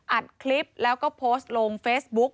อัดคลิปแล้วก็โพสต์ลงเฟซบุ๊ก